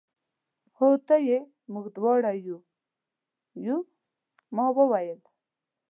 هو ته یې، موږ دواړه یو، یو. ما وویل.